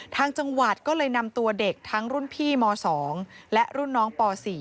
ทางจังหวัดก็เลยนำตัวเด็กทั้งรุ่นพี่ม๒และรุ่นน้องป๔